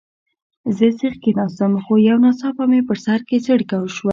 زه سیخ کښېناستم، خو یو ناڅاپه مې په سر کې څړیکه وشول.